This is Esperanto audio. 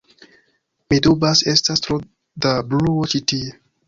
Mi dubas, estas tro da bruo ĉi tie